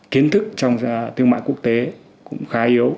kiến thức trong thương mại quốc tế cũng khá yếu